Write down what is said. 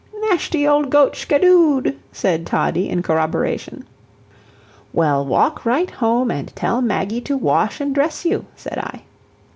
"Nashty old goat scaddooed," said Toddie, in corroboration. "Well, walk right home, and tell Maggie to wash and dress you," said I.